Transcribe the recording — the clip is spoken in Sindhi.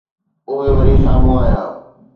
اهي وري سامهون آيا